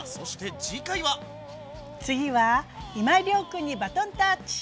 次は今井亮君にバトンタッチ。